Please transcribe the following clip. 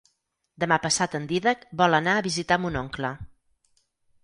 Demà passat en Dídac vol anar a visitar mon oncle.